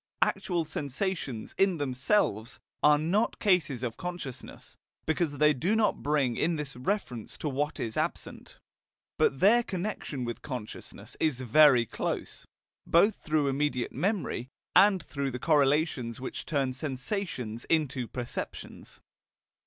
Actual sensations, in themselves, are not cases of consciousness, because they do not bring in this reference to what is absent. But their connection with consciousness is very close, both through immediate memory, and through the correlations which turn sensations into perceptions.